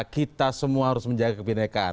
kita semua harus menjaga kebinekaan